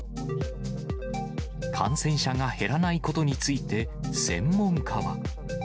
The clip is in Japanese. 感染者が減らないことについて、専門家は。